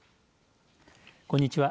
こんにちは。